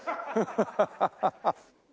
ハハハハハ。